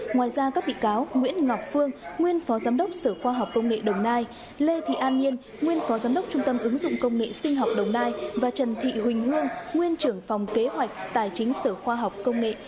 ngoài ra các bị cáo nguyễn ngọc phương nguyên phó giám đốc sở khoa học công nghệ đồng nai lê thị an nhiên nguyên phó giám đốc trung tâm ứng dụng công nghệ sinh học đồng nai và trần thị huỳnh hương nguyên trưởng phòng kế hoạch tài chính sở khoa học công nghệ